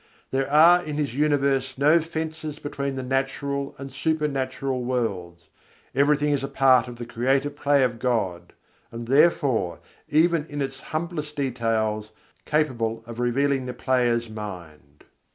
There are in his universe no fences between the "natural" and "supernatural" worlds; everything is a part of the creative Play of God, and therefore even in its humblest details capable of revealing the Player's mind.